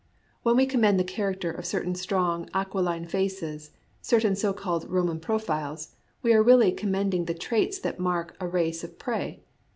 When we commend the character of certain strong aquiline faces, certain so called Roman profiles, we are really com mending the traits that mark a race of prey.